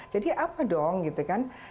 apa dong gitu kan